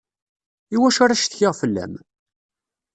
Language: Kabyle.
Iwacu ara ccetkiɣ fella-m?